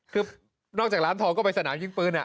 คือนอกจากร้านทองก็ไปสนามยิงปืน